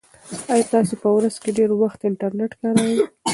ایا تاسي په ورځ کې ډېر وخت انټرنيټ کاروئ؟